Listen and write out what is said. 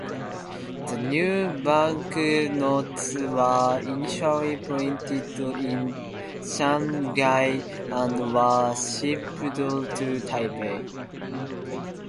The new banknotes were initially printed in Shanghai, and were shipped to Taipei.